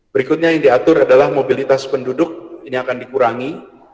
berikutnya yang diatur adalah mobilitas penduduk ini akan dikurangi